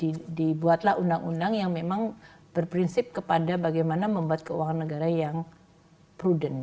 sehingga waktu itu dibuatlah undang undang yang berprinsip kepada bagaimana membuat keuangan negara yang prudent